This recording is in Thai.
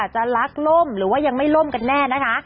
จะลักล่มหรือว่ายังไม่ล่มกันแน่นะคะ